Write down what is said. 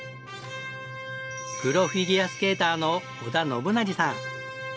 プロフィギュアスケーターの織田信成さん。